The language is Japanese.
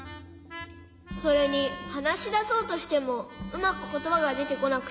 それにはなしだそうとしてもうまくことばがでてこなくて。